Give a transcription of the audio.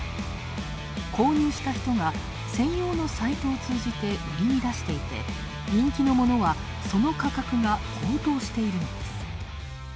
購入した人が専用のサイトを通じて売りに出していて、人気のものはその価格が高騰しているのです。